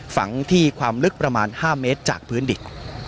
ฝังที่ความลึกประมาณ๕เมตรจากพื้นดิน